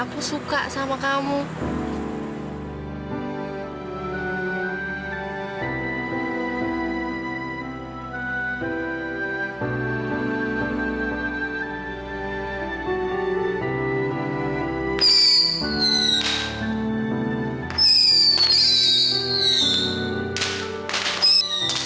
aku penuh sarang dengan tomasi